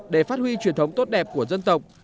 để phát huy truyền thống tốt đẹp của dân tộc